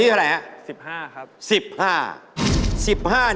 เกินไปที่เฉล่าครับ๑๕ครับรายละแล้ว๑๕